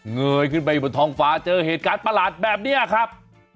เยยขึ้นไปบนท้องฟ้าเจอเหตุการณ์ประหลาดแบบนี้ครับ